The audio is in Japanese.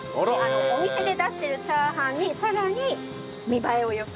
お店で出してるチャーハンにさらに見栄えを良く。